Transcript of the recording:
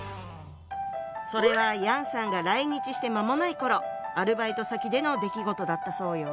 それは楊さんが来日して間もない頃アルバイト先での出来事だったそうよ。